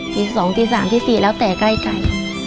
ตีสองตีสามที่สี่แล้วแต่ใกล้ใกล้